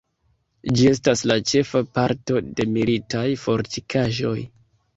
Ĝi estas la ĉefa parto de militaj fortikaĵoj.